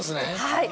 はい。